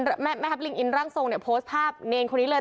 ทหารผู้ที่มีพระพริกลิงอิ้นต์รังศพพอดพาภาพเณลคนนี่เลย